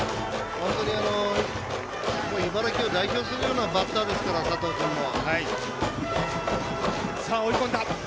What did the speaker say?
本当に茨城を代表するようなバッターですから、佐藤君も。